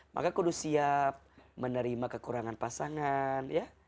maka kedu siap menerima kekurangan pasangan